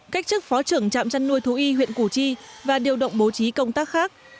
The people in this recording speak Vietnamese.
cách chức phó trưởng trạm chăn nuôi thú y huyện củ chi và điều động bố trí công tác khác